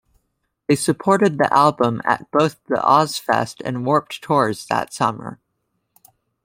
They supported the album at both the Ozzfest and Warped tours that summer.